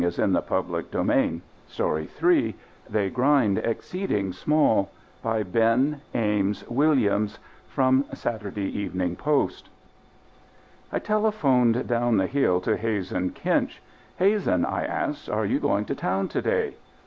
It killed her, and it got me over the wall " THEY GRIND EXCEEDING SMALL By BEN AMES WILLIAMS From Saturday Evening Post I telephoned down the hill to Hazen Kinch. "Hazen," I asked, "are you going to town to day?"